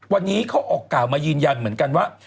วันนี้เขาออกกล่าวมายืนยันเหมือนกันว่า